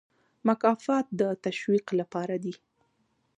مکافات د تشویق لپاره دي